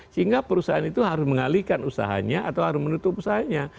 sehingga perusahaan itu harus mengalihkan usahanya atau harus menutup usahanya